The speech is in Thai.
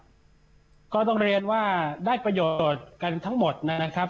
ก็ต้องเรียนว่าได้ประโยชน์ต่อกันทั้งหมดนะครับ